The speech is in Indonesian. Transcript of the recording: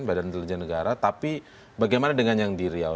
badan intelijen negara tapi bagaimana dengan yang di riau